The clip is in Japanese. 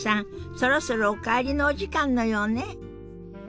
そろそろお帰りのお時間のようね。